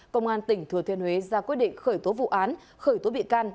công an tỉnh thừa thiên huế ra quyết định khởi tố vụ án khởi tố bị can